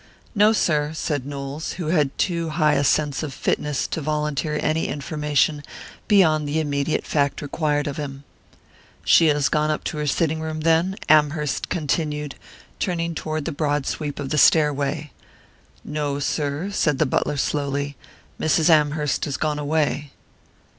"No, sir," said Knowles, who had too high a sense of fitness to volunteer any information beyond the immediate fact required of him. "She has gone up to her sitting room, then?" Amherst continued, turning toward the broad sweep of the stairway. "No, sir," said the butler slowly; "Mrs. Amherst has gone away."